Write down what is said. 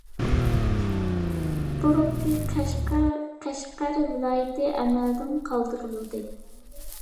بۇرۇنقى قەشقەر ۋىلايىتى ئەمەلدىن قالدۇرۇلدى.